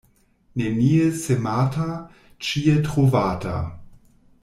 Nenie semata, ĉie trovata.